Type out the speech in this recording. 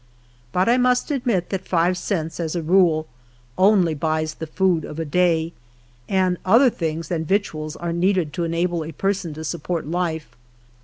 But I must admit that five cents, as a rule, only buys the food of a day, and other things than victuals are needed to enable a person to support life.